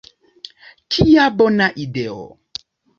Kia bona ideo!